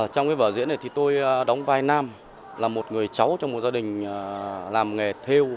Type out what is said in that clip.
trong vở diễn này tôi đóng vai nam là một người cháu trong một gia đình làm nghề theo